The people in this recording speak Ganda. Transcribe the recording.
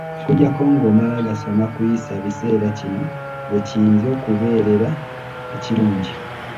Okuggyako ng’omala gasoma kuyisa biseerakino we kiyinza okubeerera ekirungi.